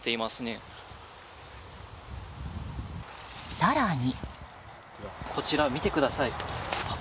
更に。